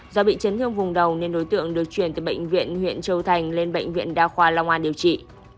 do bị chấn thương vùng đầu nên đối tượng được chuyển từ bệnh viện huyện châu thành lên bệnh viện đa khoa long an điều trị